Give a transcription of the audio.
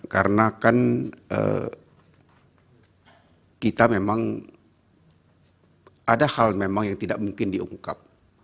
karena kan kita memang ada hal memang yang tidak mungkin diungkap